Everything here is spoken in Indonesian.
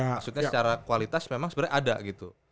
maksudnya secara kualitas memang sebenarnya ada gitu